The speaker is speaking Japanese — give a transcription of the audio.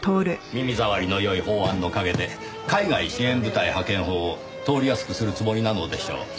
耳障りのよい法案の陰で海外支援部隊派遣法を通りやすくするつもりなのでしょう。